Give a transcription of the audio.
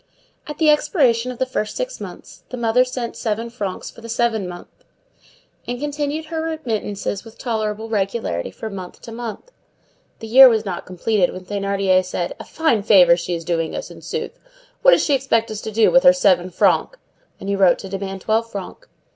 At the expiration of the first six months the mother sent seven francs for the seventh month, and continued her remittances with tolerable regularity from month to month. The year was not completed when Thénardier said: "A fine favor she is doing us, in sooth! What does she expect us to do with her seven francs?" and he wrote to demand twelve francs.